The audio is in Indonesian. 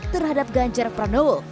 terhadap ganjar pranowo